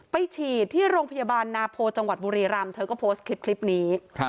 ไปฉีดที่โรงพยาบาลนาโพจังหวัดบุรีรำเธอก็โพสต์คลิปนี้